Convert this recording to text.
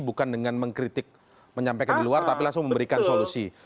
bukan dengan mengkritik menyampaikan di luar tapi langsung memberikan solusi